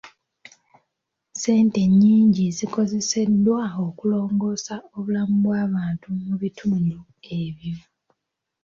Ssente nnyingi zikozeseddwa okulongoosa obulamu bw'abantu mu bitundu ebyo.